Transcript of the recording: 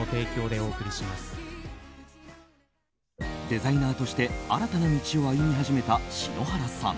デザイナーとして新たな道を歩み始めた篠原さん。